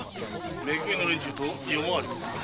め組の連中と夜回りをな。